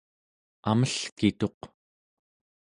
amelkituq